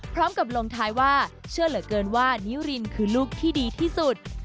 พร้อมกับลงท้ายว่าเชื่อเหลือเกินว่านิรินคือลูกที่ดีที่สุด